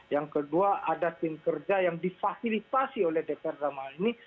yang kedua ada tim kerja yang difasilitasi oleh dpr dalam hal ini